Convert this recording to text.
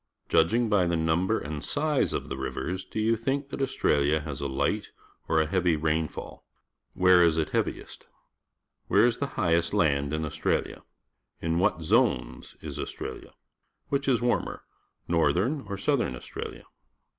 Judging by the num ber and size of the rivers, do j'ou think that Australia has a light or a hea\'>' rain fall? Where is it heav iest? Where is the high est land in Australia? In what zones is Australia? Which is warmer, Northern or Southern Australia?